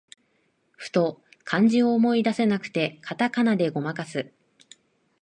ふと漢字を思い出せなくなって、カタカナでごまかす